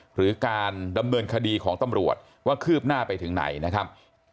หรือการดำเนินคดีของตำรวจว่าคืบหน้าไปถึงไหนนะครับ